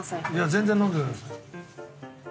全然飲んでください。